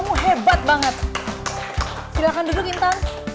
sungguh besar cinta citanya bagi indonesia